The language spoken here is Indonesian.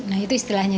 nah itu istilahnya